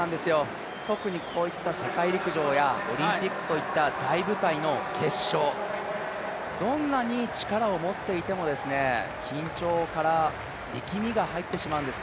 特にこういった世界陸上やオリンピックといった大舞台の決勝、どんなに力を持っていても、緊張から力みが入ってしまうんです。